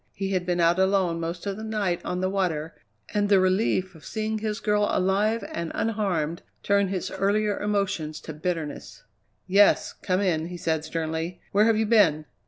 He had been out alone most of the night on the water, and the relief of seeing his girl alive and unharmed turned his earlier emotions to bitterness. "Yes, come in," he said sternly. "Where have you been?"